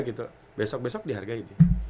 gitu besok besok dihargai